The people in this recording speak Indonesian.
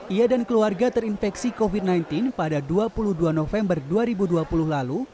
ia dan keluarga terinfeksi covid sembilan belas pada dua puluh dua november dua ribu dua puluh lalu